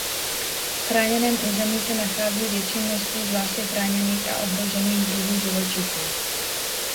V chráněném území se nachází větší množství zvláště chráněných a ohrožených druhů živočichů.